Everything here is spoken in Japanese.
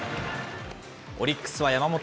オリックスは山本。